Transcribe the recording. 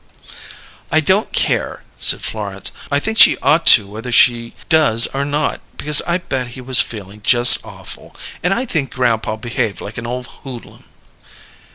"I don't care," said Florence. "I think she ought to whether she does or not, because I bet he was feeling just awful. And I think grandpa behaved like an ole hoodlum."